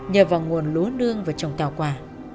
nhờ vào nguồn lúa nương và trồng thảo quả